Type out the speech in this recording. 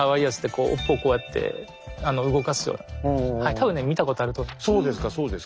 多分ね見たことあると思います。